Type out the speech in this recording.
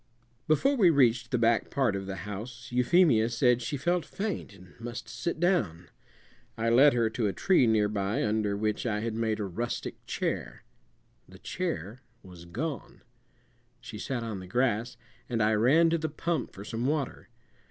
Before we reached the back part of the house Euphemia said she felt faint and must sit down. I led her to a tree nearby, under which I had made a rustic chair. The chair was gone. She sat on the grass, and I ran to the pump for some water.